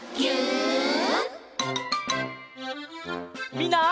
みんな。